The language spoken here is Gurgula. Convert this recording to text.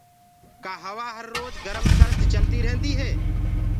ڪآ هوآ هر روج گرم سرد چلدي ريهنٚدي هي